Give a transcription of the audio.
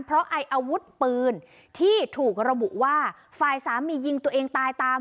เพราะไอ้อาวุธปืนที่ถูกระบุว่าฝ่ายสามียิงตัวเองตายตาม